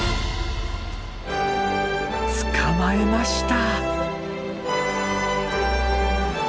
捕まえました！